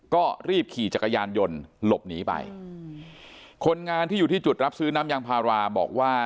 ก็รีบขี่จักรยานยนต์หลบหนีไปคนงานที่อยู่ที่จุดรับซื้อน้ำยางพาราบอกว่า